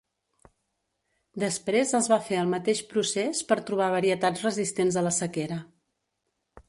Després es va fer el mateix procés per trobar varietats resistents a la sequera.